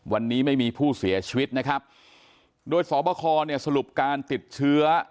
วันนี้ไม่มีผู้เสียชีวิตนะครับโดยสอบคอเนี่ยสรุปการติดเชื้อ